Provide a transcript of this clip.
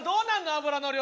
脂の量。